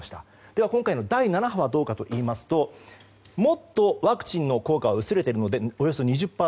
では、今回の第７波はどうかといいますともっとワクチンの効果が薄れているのでおよそ２０％。